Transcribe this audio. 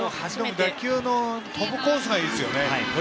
打球の飛ぶコースがいいです。